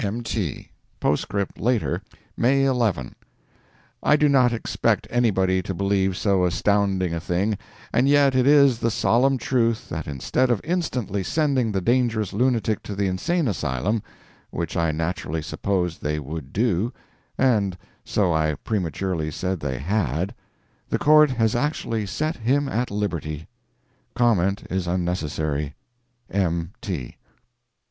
POSTSCRIPT LATER May 11 I do not expect anybody to believe so astounding a thing, and yet it is the solemn truth that instead of instantly sending the dangerous lunatic to the insane asylum (which I naturally supposed they would do, and so I prematurely said they had) the court has actually SET HIM AT LIBERTY. Comment is unnecessary. M. T.